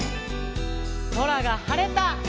「そらがはれた」